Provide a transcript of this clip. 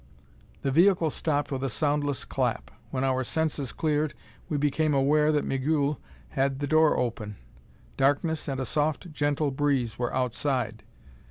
The vehicle stopped with a soundless clap. When our senses cleared we became aware that Migul had the door open. Darkness and a soft gentle breeze were outside.